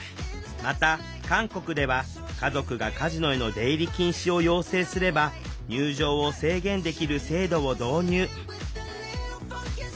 また韓国では家族がカジノへの出入り禁止を要請すれば入場を制限できる制度を導入